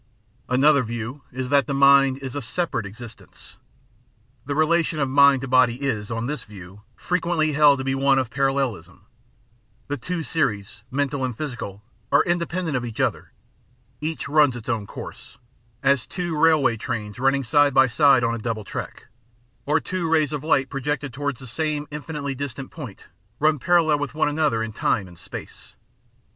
Another view is that mind is a separate eonstence. The rela tion of the mind to body is, on this view, frequently held to be one of parallelism: the two series, mental and physical, are indepen dent of each other, each runs its own course, ''as two railway trains running side by side on a double track, or two rays of light pro jected towards the same infinitely distant point, run parallel with one another in time and space."